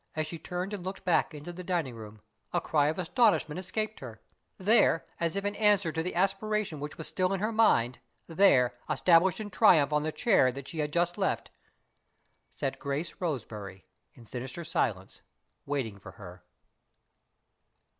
As she turned and looked back into the dining room a cry of astonishment escaped her. There as if in answer to the aspiration which was still in her mind; there, established in triumph on the chair that she had just left sat Grace Roseberry, in sinister silence, waiting for her.